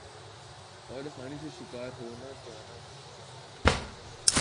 اور آسانی سے شکار ہونا جانا ہونا ۔